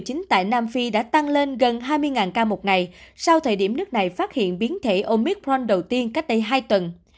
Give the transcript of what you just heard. do ca mắc covid một mươi chín tại nam phi đã tăng lên gần hai mươi ca một ngày sau thời điểm nước này phát hiện biến thể omicron đầu tiên cách đây hai tuần